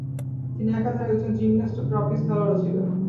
তিনি একাধারে একজন জিমন্যাস্ট ও ট্রাপিজ খেলোয়াড়ও ছিলেন।